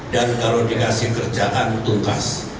dan kalau dikasih kerjaan tuntas